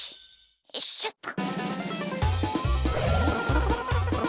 よいしょっと。